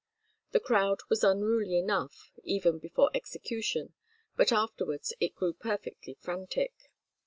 The crowd was unruly enough even before execution, but afterwards it grew perfectly frantic.